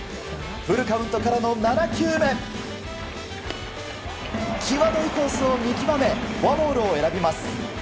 フルカウントからの７球目際どいコースを見極めフォアボールを選びます。